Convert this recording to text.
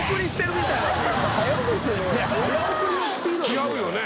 違うよね？